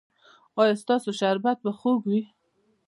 ایا ستاسو شربت به خوږ وي؟